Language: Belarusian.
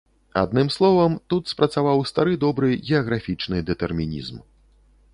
Адным словам, тут спрацаваў стары добры геаграфічны дэтэрмінізм.